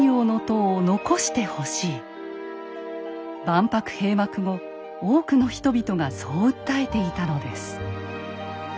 万博閉幕後多くの人々がそう訴えていたのです。